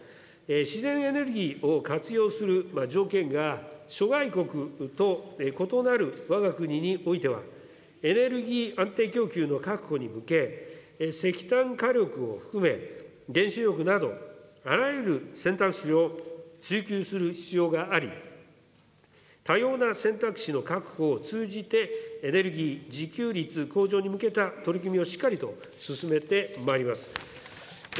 自然エネルギーを活用する条件が諸外国と異なるわが国においては、エネルギー安定供給の確保に向け、石炭火力を含め、原子力などあらゆる選択肢を追求する必要があり、多様な選択肢の確保を通じてエネルギー自給率向上に向けた取り組みをしっかりと進めてまいります。